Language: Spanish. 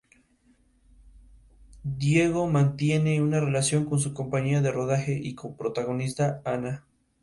Para representar las cien unidades, se utiliza el símbolo 仙.